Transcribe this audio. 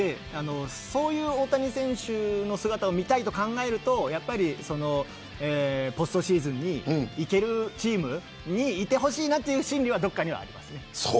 そういう大谷選手の姿を見たいと考えるとポストシーズンに行けるチームにいてほしいなという心理はどこかにあります。